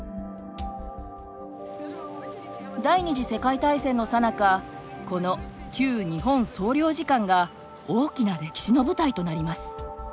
第二次世界大戦のさなかこの旧日本総領事館が大きな歴史の舞台となります。